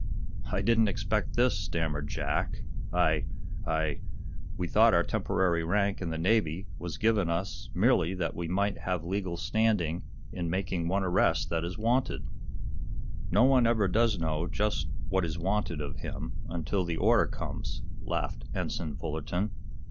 "I didn't expect this," stammered Jack. "I I we thought our temporary rank in the Navy was given us merely that we might have legal standing in making one arrest that is wanted." "No one ever does know just what is wanted of him, until the order comes," laughed Ensign Fullerton.